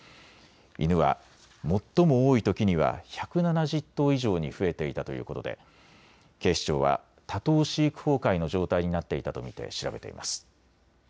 犬は最も多いときには１７０頭以上に増えていたということで警視庁は多頭飼育崩壊の状態になっていたと見て調べています。